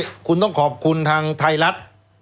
คุณต้องขอบคุณทางไทยรัฐ